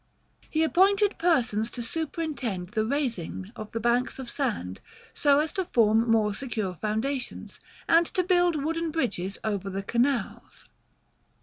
He appointed persons to superintend the raising of the banks of sand, so as to form more secure foundations, and to build wooden bridges over the canals.